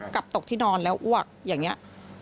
กลับตกที่นอนแล้วอ้วกอย่างนี้